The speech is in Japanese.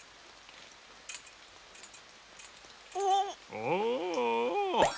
おお。